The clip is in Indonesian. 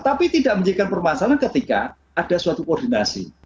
tapi tidak menjadikan permasalahan ketika ada suatu koordinasi